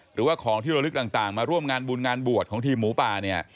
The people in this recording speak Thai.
หรือว่าของที่ระลึกต่างมาร่วมงานบุญงานบวชของทีมหมูป่าเนี่ย